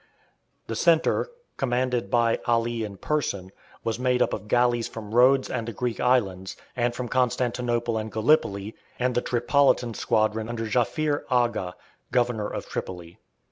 The centre, commanded by Ali in person, was made up of galleys from Rhodes and the Greek islands, and from Constantinople and Gallipoli, and the Tripolitan squadron under Djaffir Agha, Governor of Tripoli.